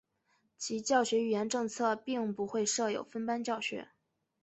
其教学语言政策并不会设有分班教学。